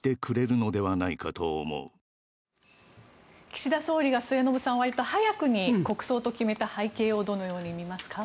岸田総理が、末延さんわりと早くに国葬と決めた背景をどのように見ますか。